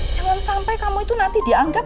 jangan sampai kamu itu nanti dianggap